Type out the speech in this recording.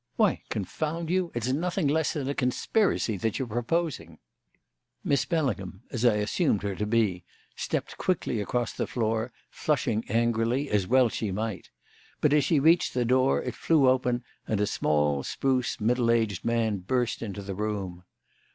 Why, confound you, it's nothing less than a conspiracy that you're proposing!" Miss Bellingham as I assumed her to be stepped quickly across the floor, flushing angrily, as well she might; but, as she reached the door, it flew open and a small, spruce, middle aged man burst into the room.